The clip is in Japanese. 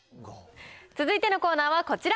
続いてのコーナーはこちら。